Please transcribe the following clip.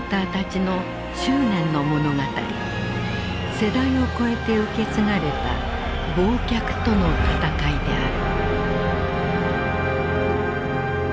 世代を超えて受け継がれた「忘却」との闘いである。